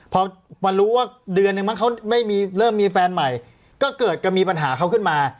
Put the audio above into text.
พอมารู้ว่าเดือนนึงมั้งเขาเริ่มมีแฟนใหม่ก็เกิดก็มีปัญหาเขาขึ้นมา